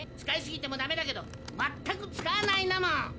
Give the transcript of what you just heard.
使いすぎてもダメだけどまったく使わないのも。